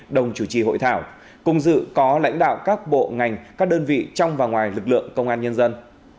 đồng chủ trì hội thảo cùng dự có lãnh đạo các bộ ngành các đơn vị trong và ngoài lực lượng công an nhân dân